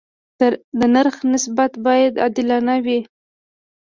د نرخ تناسب باید عادلانه وي.